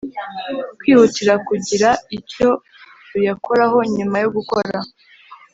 kwihutira kugira icyo ruyakoraho Nyuma yo gukorA